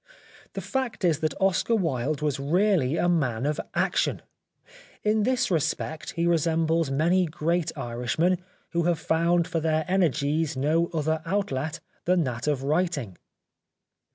The fact is that Oscar Wilde was really a man of action. In this respect he resembles many great Irishmen who have found for their energies no other outlet than that of writing.